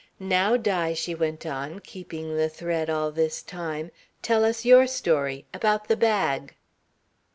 "Now, Di," she went on, keeping the thread all this time. "Tell us your story. About the bag."